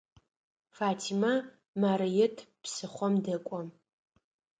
Фатимэ Марыет псыхъом дэкӏо.